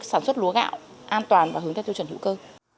sản xuất lúa gạo an toàn và hướng theo tiêu chuẩn hữu cơ